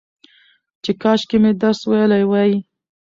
چې کاشکي مې درس ويلى وى